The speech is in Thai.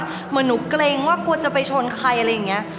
เหมือนหนูเกรงว่ากลัวจะไปชนใครอะไรอย่างนี้